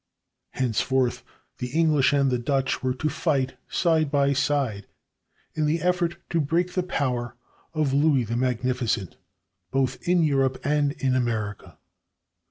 Henceforth, the English and the Dutch were to fight side by side in the effort to break the power of Louis the Magnificent both in Europe and in America.